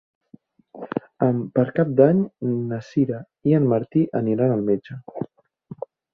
Per Cap d'Any na Sira i en Martí aniran al metge.